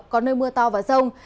có nơi mưa to và rông